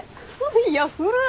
いや古っ！